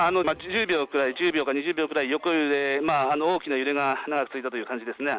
１０秒か２０秒くらい横揺れ大きな揺れが長く続いたという感じですね。